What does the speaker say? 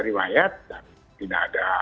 riwayat dan tidak ada